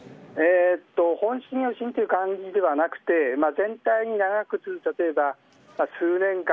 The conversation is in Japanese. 本震、余震という感じではなくて全体に長く続く、例えば数年間